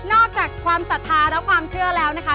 อกจากความศรัทธาและความเชื่อแล้วนะคะ